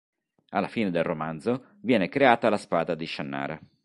Alla fine del romanzo, viene creata la Spada di Shannara.